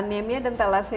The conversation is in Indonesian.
anemia dan thalassemia